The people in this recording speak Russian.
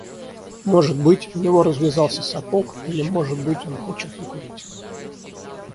Может быть, у него развязался сапог или, может быть, он хочет закурить.